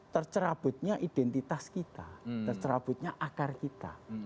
tercerabutnya identitas kita terserabutnya akar kita